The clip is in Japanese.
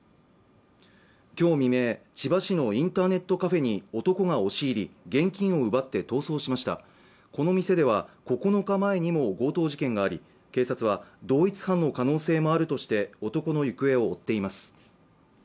今日未明、千葉市のインターネットカフェに男が押し入り現金を奪って逃走しましたこの店では９日前にも強盗事件があり警察は同一犯の可能性もあるとして男の行方を追っています